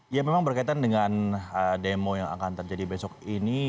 ya memang berkaitan dengan demo yang akan terjadi besok ini